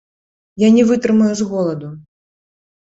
Я не вытрымаю з голаду.